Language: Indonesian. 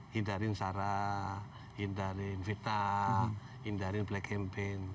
hindarin sarah hindarin fitnah hindarin black campaign